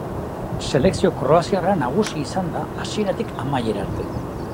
Selekzio kroaziarra nagusi izan da hasieratik amaierara arte.